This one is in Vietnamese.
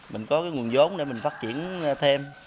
mình có nguồn giống để mình phát triển thêm